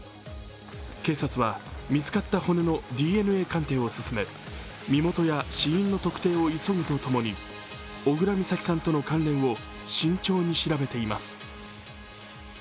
警察は見つかった骨のＤＮＡ鑑定を進め身元や死因の特定を急ぐとともに小倉美咲さんとの関連を慎重に調べています。